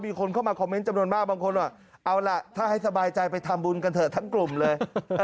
มีคนเข้ามาคอมเมนต์จำนวนมากบางคนบอกเอาล่ะถ้าให้สบายใจไปทำบุญกันเถอะทั้งกลุ่มเลย